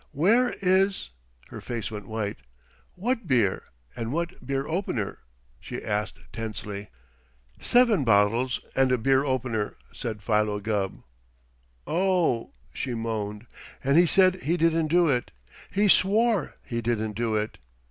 "Where is " Her face went white. "What beer and what beer opener?" she asked tensely. "Seven bottles and a beer opener," said Philo Gubb. "Oh!" she moaned. "And he said he didn't do it! He swore he didn't do it!